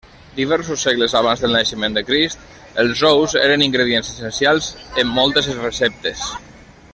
Diversos segles abans del naixement de Crist, els ous eren ingredients essencials en moltes receptes.